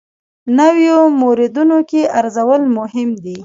نویو موردونو کې ارزول مهم دي.